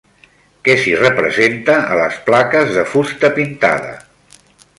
Què s'hi representa a les plaques de fusta pintada?